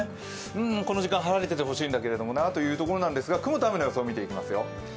この時間晴れててほしいんだけどなというところなんですが、雲と雨の予想を見ていきますよ。